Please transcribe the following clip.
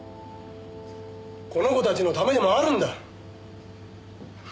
この子たちのためでもあるんだ。